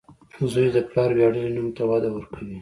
• زوی د پلار ویاړلی نوم ته وده ورکوي.